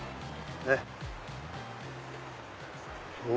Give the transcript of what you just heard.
ねっ。